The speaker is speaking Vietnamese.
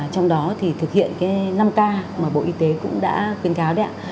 trong đó thì thực hiện năm ca mà bộ y tế cũng đã khuyến cáo đấy ạ